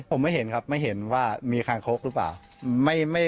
ผมไม่เห็นครับไม่เห็นว่ามีคางคกหรือเปล่า